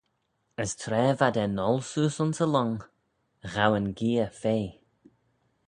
As tra v'ad er ngholl seose ayns y lhong, ghow yn gheay fea.